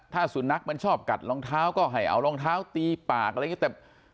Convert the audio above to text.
ถ้าสุนัขมันชอบกัดรองเท้าก็ให้เอารองเท้าตีปากอะไรอย่างนี้แต่